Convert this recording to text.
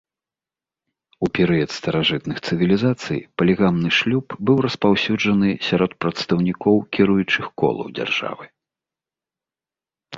У перыяд старажытных цывілізацый палігамны шлюб быў распаўсюджаны сярод прадстаўнікоў кіруючых колаў дзяржавы.